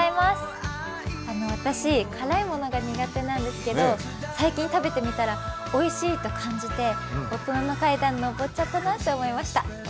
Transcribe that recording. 私、辛いものが苦手なんですけど最近食べてみたらおいしいと感じて大人の階段上っちゃったなと思いました。